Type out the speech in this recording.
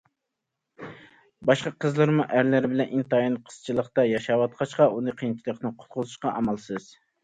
باشقا قىزلىرىمۇ ئەرلىرى بىلەن ئىنتايىن قىسچىلىقتا ياشاۋاتقاچقا، ئۇنى قىيىنچىلىقتىن قۇتقۇزۇشقا ئامالسىز.